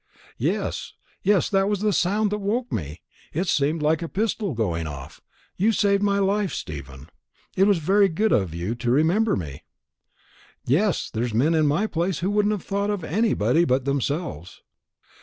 "Yes, yes, that was the sound that woke me; it seemed like a pistol going off. You saved my life, Stephen. It was very good of you to remember me." "Yes; there's men in my place who wouldn't have thought of anybody but themselves."